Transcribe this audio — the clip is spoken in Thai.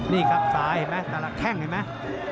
นี่ค่ะซ้ายเห็นมั้ยค่ะแค้งเห็นมั้ย